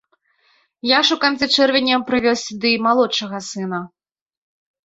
Я ж у канцы чэрвеня прывёз сюды і малодшага сына.